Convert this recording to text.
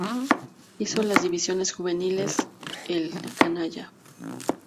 Hizo las divisiones juveniles en el "canalla".